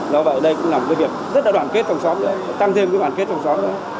do vậy đây cũng là một việc rất đoàn kết trong xóm tăng thêm đoàn kết trong xóm